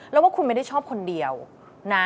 แล้วว่าคุณไม่ได้ชอบคนเดียวนะ